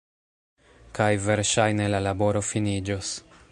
kaj verŝajne la laboro finiĝos